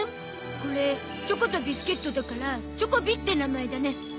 これチョコとビスケットだから「チョコビ」って名前だね。